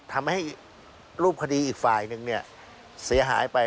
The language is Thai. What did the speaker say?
ทำให้รูปคดีอีกฝ่ายหนึ่งเสียหายไป